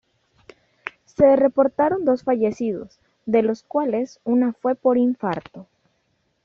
Se reportaron dos fallecidos, de los cuales, una fue por un infarto.